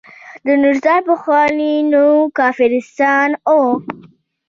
د نورستان پخوانی نوم کافرستان و.